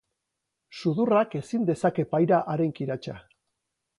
Sudurrak ezin dezake paira haren kiratsa.